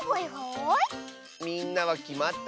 みんなはきまった？